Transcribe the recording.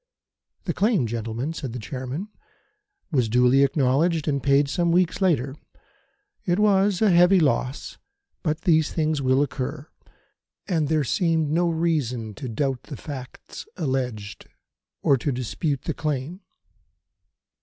"The claim, gentlemen," said the Chairman, "was duly acknowledged and paid some weeks later. It was a heavy loss; but these things will occur, and there seemed no reason to doubt the facts alleged, or to dispute the claim."